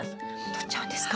とっちゃうんですか？